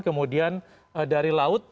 kemudian dari laut